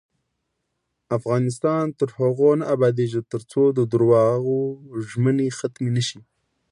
افغانستان تر هغو نه ابادیږي، ترڅو د درواغو ژمنې ختمې نشي.